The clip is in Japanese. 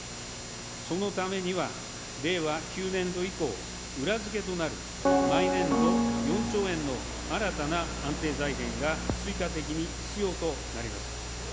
そのためには令和９年度以降、裏付けとなる毎年度４兆円の新たな安定財源が追加的に必要となります。